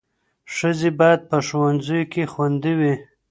ښځې باید په ښوونځیو کې خوندي وي.